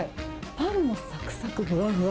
パンもさくさく、ふわふわ。